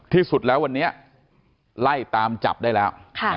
ที่สุดแล้ววันนี้ไล่ตามจับได้แล้ว